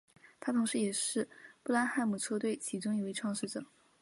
他同时也是布拉汉姆车队其中一位创始者。